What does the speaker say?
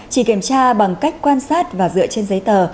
chỉ kiểm tra bằng cách quan sát và dựa trên giấy tờ